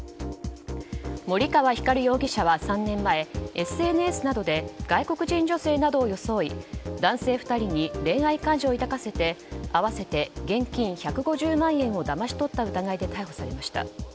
森川光容疑者は３年前ＳＮＳなどで外国人女性などを装い男性２人に恋愛感情を抱かせて合わせて現金１５０万円をだまし取った疑いで逮捕されました。